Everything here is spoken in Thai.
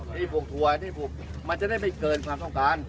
ที่พวกถั่วที่ผูกมันจะได้ไม่เกินความต้องการ